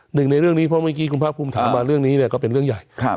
หนึ่งในเรื่องนี้เพราะเมื่อกี้คุณภาคภูมิถามมาเรื่องนี้เนี่ยก็เป็นเรื่องใหญ่